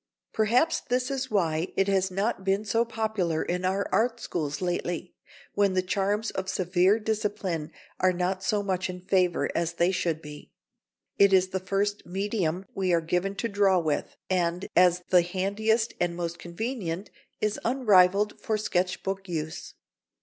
Perhaps this is why it has not been so popular in our art schools lately, when the charms of severe discipline are not so much in favour as they should be. It is the first medium we are given to draw with, and as the handiest and most convenient is unrivalled for sketch book use.